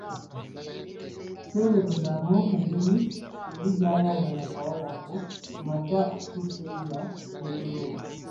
Teeberezaamu engeri oli gy'ayambala akawale ako ku makya okutuusa enjuba lw'egolooba!